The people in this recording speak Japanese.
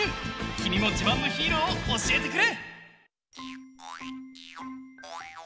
きみもじまんのヒーローをおしえてくれ！